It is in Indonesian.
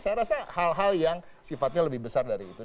saya rasa hal hal yang sifatnya lebih besar dari itu